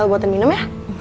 el buatan minum ya